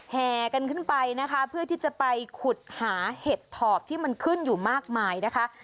แห่กันขึ้นไปนะคะเพื่อที่จะไปขุดหาเห็ดถอบที่มันขึ้นอยู่มากมายนะคะ